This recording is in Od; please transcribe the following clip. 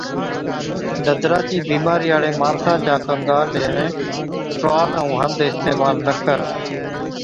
ڏَدرا چِي بِيمارِي هاڙي ماڻسا چا گنگا، ليوين، ٽروال ائُون هنڌ اِستعمال نہ ڪر۔